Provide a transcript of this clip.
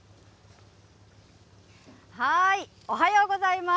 おはようございます。